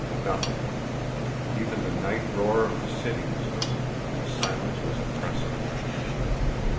Nothing. Even the night roar of the city was missing; the silence was oppressive.